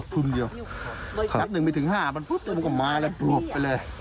ภูมิเดียวครับหนึ่งมีถึงห้ามันปุ๊บมันกำมาแล้วกรวบไปเลย